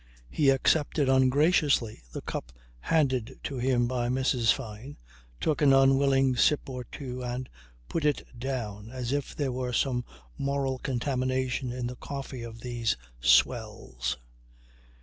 He accepted ungraciously the cup handed to him by Mrs. Fyne, took an unwilling sip or two and put it down as if there were some moral contamination in the coffee of these "swells."